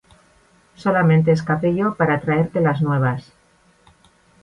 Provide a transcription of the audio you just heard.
solamente escapé yo para traerte las nuevas.